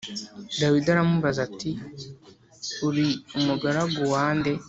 Dawidi aramubaza ati uri umugaragu wa nde